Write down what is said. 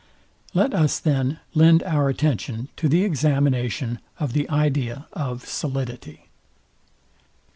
Let us, then, lend our attention to the examination of the idea of solidity.